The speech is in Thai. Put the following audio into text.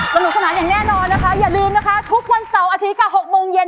สนุกสนานอย่างแน่นอนนะคะอย่าลืมนะคะทุกวันเสาร์อาทิตย์๖โมงเย็น